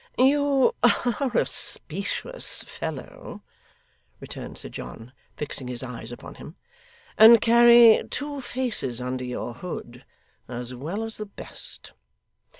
'You are a specious fellow,' returned Sir John, fixing his eyes upon him, 'and carry two faces under your hood, as well as the best.